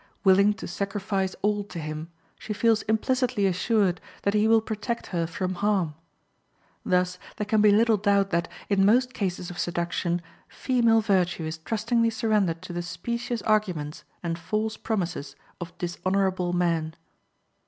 Willing to sacrifice all to him, she feels implicitly assured that he will protect her from harm. Thus there can be little doubt that, in most cases of seduction, female virtue is trustingly surrendered to the specious arguments and false promises of dishonorable men.